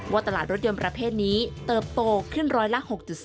ตลาดรถยนต์ประเภทนี้เติบโตขึ้นร้อยละ๖๒